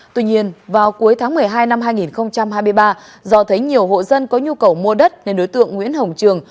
tuy nhiên vào cuối tháng một mươi hai năm hai nghìn hai mươi ba do thấy nhiều hộ dân có nhu cầu mua đất nên đối tượng nguyễn hồng trường